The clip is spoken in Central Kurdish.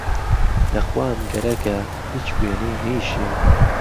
له خوام گهرهکه، هیچکوێنهی نهیشێ